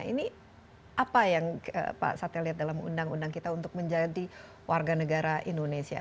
ini apa yang pak sate lihat dalam undang undang kita untuk menjadi warga negara indonesia